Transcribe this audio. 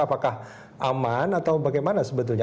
apakah aman atau bagaimana sebetulnya